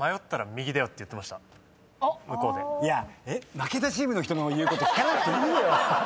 負けたチームの人の言うこと聞かなくていいよ！